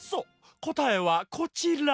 こたえはこちら！